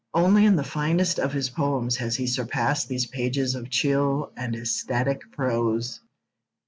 Only in the finest of his poems has he surpassed these pages of chill and ecstatic prose.